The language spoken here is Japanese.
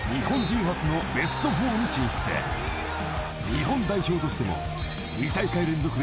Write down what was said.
［日本代表としても］